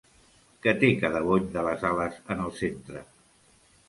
Què té cada bony de les ales en el centre?